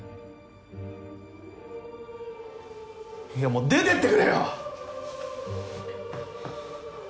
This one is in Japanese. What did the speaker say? もう出てってくれよ！